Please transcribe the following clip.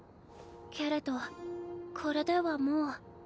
けれどコレではもう。